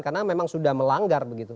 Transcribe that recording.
karena memang sudah melanggar begitu